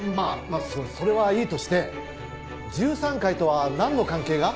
まぁそれはいいとして１３階とは何の関係が？